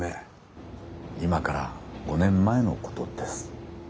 今から５年前のことです。